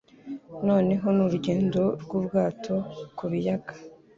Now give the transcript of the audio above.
Noneho ni urugendo rw'ubwato ku biyaga